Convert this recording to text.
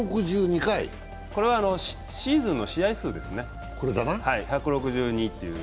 これはシーズンの試合数ですね、１６２っていう。